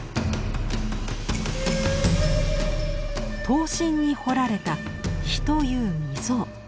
刀身に彫られたという溝。